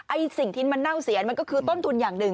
สิ่งที่มันเน่าเสียมันก็คือต้นทุนอย่างหนึ่ง